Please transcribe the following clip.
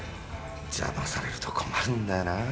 邪魔されると困るんだよなぁ。